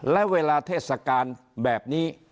และเวลาเทศกาลแบบนี้